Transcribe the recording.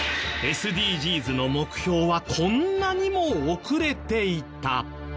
ＳＤＧｓの目標はこんなにも遅れていた！